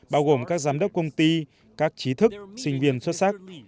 bao gồm các giám đốc công ty các trí thức sinh viên xuất sắc